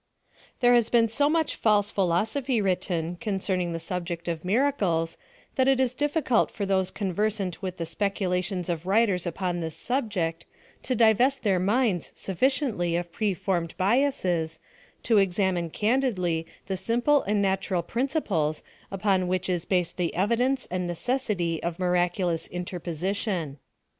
There has been so much false philosopliy writ ten concerning the subject of miracles, that it is diffi cult for those conversant with the speculations of writers upon this subject, to divest their minds suf ficiently of preformed biasses, to examine candidly the simple and natural principles upon which is based tlie evidence and necessity of miraculous interposition.